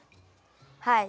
はい。